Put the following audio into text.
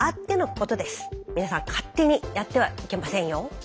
勝手にやってはいけませんよ。